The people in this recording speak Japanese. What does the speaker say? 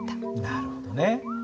なるほどね。